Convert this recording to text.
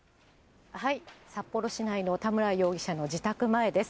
札幌市内の田村容疑者の自宅前です。